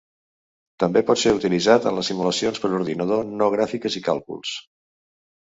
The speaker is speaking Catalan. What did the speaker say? També pot ser utilitzat en les simulacions per ordinador no gràfiques i càlculs.